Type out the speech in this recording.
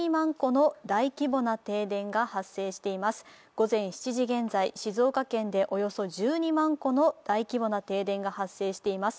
午前７時現在、静岡県でおよそ１２万戸の大規模な停電が発生しています。